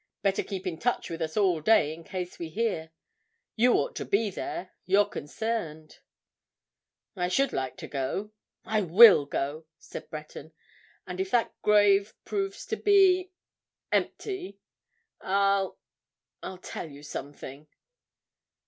Better keep in touch with us all day in case we hear. You ought to be there—you're concerned." "I should like to go—I will go," said Breton. "And if that grave proves to be—empty—I'll—I'll tell you something."